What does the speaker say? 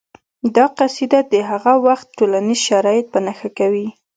دا قصیده د هغه وخت ټولنیز شرایط په نښه کوي